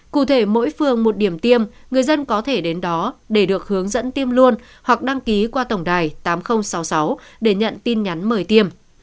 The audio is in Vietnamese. cụ thể mỗi phường một điểm tiêm người dân có thể đến đó để được hướng dẫn tiêm luôn hoặc đăng ký qua tổng đài tám nghìn sáu mươi sáu để nhận tin nhắn mời tiêm